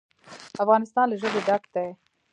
افغانستان له ژبې ډک دی.